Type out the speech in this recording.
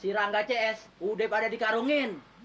si rangga cs udah pada dikarungin